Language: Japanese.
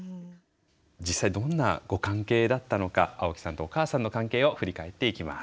実際どんなご関係だったのか青木さんとお母さんの関係を振り返っていきます。